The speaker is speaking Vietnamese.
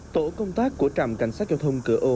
tổ công tác của trạm cảnh sát giao thông cửa ô